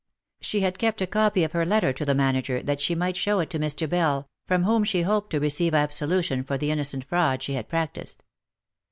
She had kept a copy of her letter to the manager, that she might show it to Mr. Bell, from whom she hoped to receive absolution for the innocent fraud she had practised.